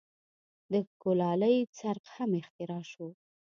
د کولالۍ څرخ هم اختراع شو.